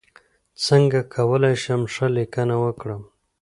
څنګه کولی شم ښه لیکنه وکړم